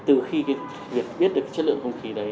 từ khi biết được chất lượng không khí đấy